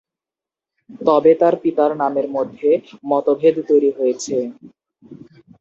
তবে তার পিতার নামের মধ্যে মতভেদ তৈরি হয়েছে।